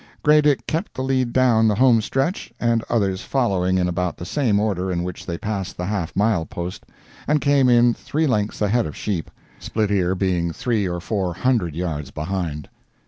"Grey Dick" kept the lead down the home stretch, the others following in about the same order in which they passed the half mile post, and came in three lengths ahead of "Sheep," "Split ear" being three or four hundred yards behind.